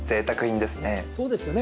そうですよね。